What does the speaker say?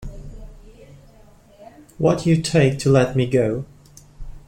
What'll you take to let me go?